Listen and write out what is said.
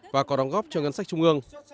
và có đóng góp cho ngân sách trung ương